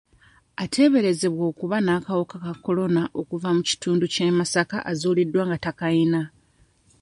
Ateeberezebwa okuba n'akawuka ka kolona okuva e mu kitundu ky'e Masaka azuuliddwa nga takayina.